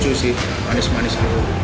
jujur sih manis manis